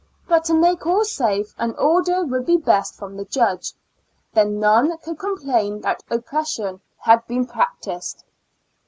But to make all safe, an order would be best from the judge ; then none could complain that oppression had been practiced.